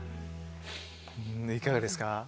いかがですか？